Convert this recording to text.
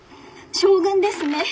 将軍ですね。